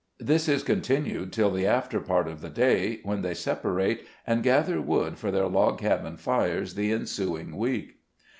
This is continued till the after part of the day, when they separate, and gather wood for their log cabin fires the ensuing week.